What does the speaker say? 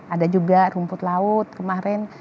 ada juga rumput laut kemarin